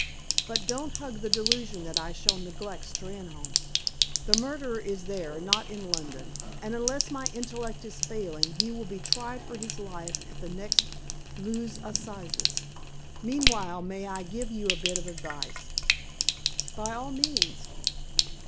But don't hug the delusion that I shall neglect Steynholme. The murderer is there, not in London, and, unless my intellect is failing, he will be tried for his life at the next Lewes Assizes. Meanwhile, may I give you a bit of advice?" "By all means."